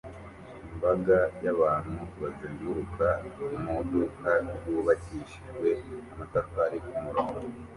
Imbaga y'abantu bazenguruka mu iduka ryubakishijwe amatafari ku murongo